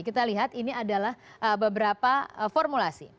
kita lihat ini adalah beberapa formulasi